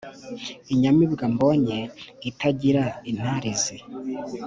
inyamibwa mbonye itagira intarizi